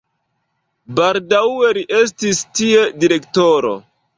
Baldaŭe li estis tie direktoro.